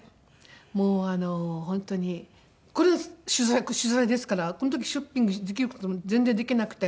もう本当にこれ取材取材ですからこの時ショッピングできる事も全然できなくて。